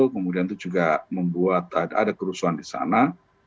kemudian itu juga membuat ada kerusuhan di sana